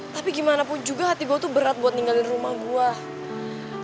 tapi gimana pun juga hati gue tuh berat buat ninggalin rumah gue